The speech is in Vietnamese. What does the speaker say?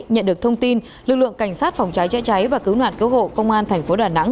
nhận được thông tin lực lượng cảnh sát phòng cháy chữa cháy và cứu nạn cứu hộ công an thành phố đà nẵng